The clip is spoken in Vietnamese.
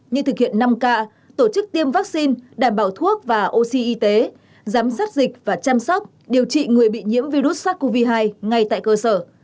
như thực hiện năm k tổ chức tiêm vaccine đảm bảo thuốc và oxy y tế giám sát dịch và chăm sóc điều trị người bị nhiễm virus sars cov hai ngay tại cơ sở